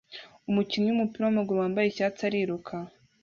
Umukinnyi wumupira wamaguru wambaye icyatsi ariruka